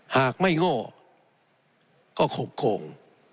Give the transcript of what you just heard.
หากไม่โง่ก็ข่มโกง